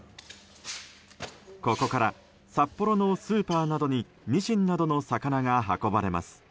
ここから札幌のスーパーなどにニシンなどの魚が運ばれます。